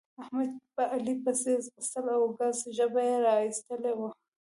احمد په علي پسې ځغستل او ګز ژبه يې را اېستلې وه.